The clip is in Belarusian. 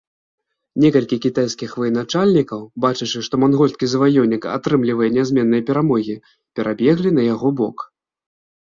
Некалькі кітайскіх военачальнікаў, бачачы, што мангольскі заваёўнік атрымлівае нязменныя перамогі, перабеглі на яго бок.